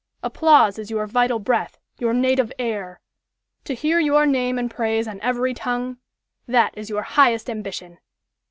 Applause is your vital breath, your native air! To hear your name and praise on every tongue that is your highest ambition!